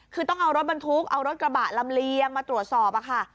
คือต้องเอารถบรรทุกเอารถกระบะลำเลียงมาตรวจสอบค่ะ